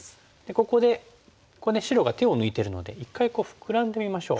ここで白が手を抜いてるので一回フクラんでみましょう。